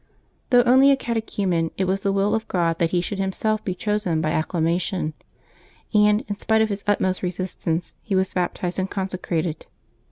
Though only a catechumen, it was the will of God that he should himself be chosen by acclamation; and, in spite of his utmost resistance, he was baptized and consecrated.